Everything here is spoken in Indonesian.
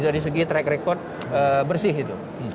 dari segi track record bersih itu